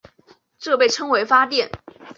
这被称为发电。